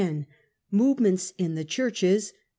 MOVEMENTS IN THE CHURCHES.